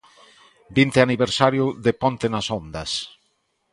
Vinte aniversario de Ponte nas ondas!